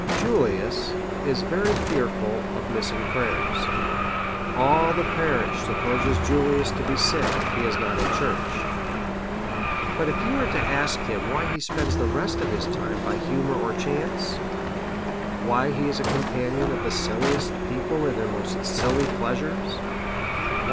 Julius is very fearful of missing prayers; all the parish supposes Julius to be sick if he is not at church. But if you were to ask him why he spends the rest of his time by humour or chance? why he is a compa nion of the silliest people in their most silly pleasures